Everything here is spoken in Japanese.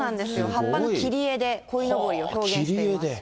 葉っぱの切り絵でこいのぼりを表現してます。